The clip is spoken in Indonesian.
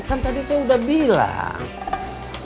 kan tadi saya sudah bilang